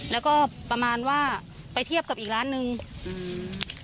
แล้วก็ประมาณว่าไปเทียบกับอีกร้านหนึ่งอืม